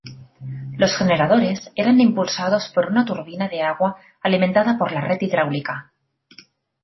Los generadores eran impulsados por una turbina de agua alimentada por la red hidráulica.